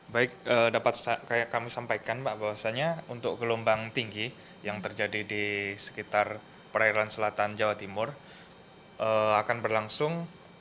baik dapat kami sampaikan mbak bahwasannya untuk gelombang tinggi yang terjadi di sekitar perairan selatan jawa timur akan berlangsung